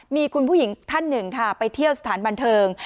มีคุณผู้หญิงท่านหนึ่งค่ะไปเที่ยวสถานบันเทิง